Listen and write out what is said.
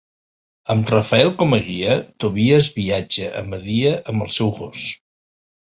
Amb Raphael com a guia, Tobias viatja a Media amb el seu gos.